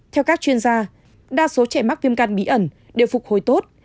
theo các chuyên gia đa số trẻ mắc viêm căn bí ẩn đều phục hồi tốt